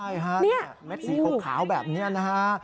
ใช่ฮะเม็ดสีขาวแบบนี้นะฮะ